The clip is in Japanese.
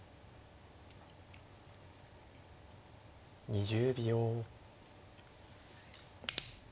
２０秒。